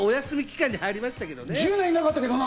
１０年いなかったけどな！